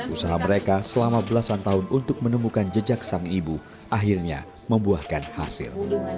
usaha mereka selama belasan tahun untuk menemukan jejak sang ibu akhirnya membuahkan hasil